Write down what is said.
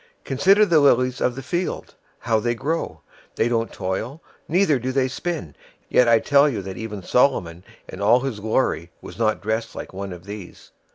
Consider the lilies of the field, how they grow. They don't toil, neither do they spin, 006:029 yet I tell you that even Solomon in all his glory was not dressed like one of these.